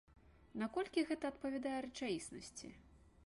Наколькі гэта адпавядае рэчаіснасці?